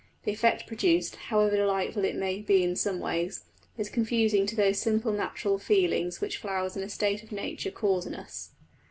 The effect produced, however delightful it may be in some ways, is confusing to those simple natural feelings which flowers in a state of nature cause in us.